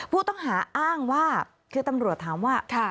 ผู้ต้องหาอ้างว่าคือตำรวจถามว่า